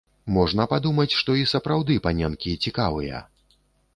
Можна падумаць, што і сапраўды паненкі цікавыя.